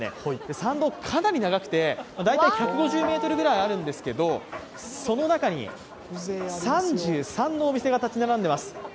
参道、かなり長くて大体１５０ｍぐらいあるんですけどその中に３３のお店が立ち並んでいます。